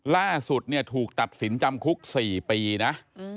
ล่าสุดเนี่ยถูกตัดสินจำคุก๔ปีนะ